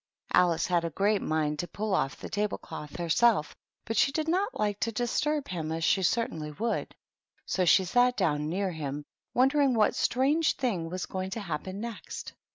Alice had a great mind to pull off the table cloth herself, but she did not like to disturb him, as she certainly would ; so she sat down near him, wondering what strange thing was going to happen next.